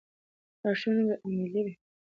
لارښوونې به عملي وي.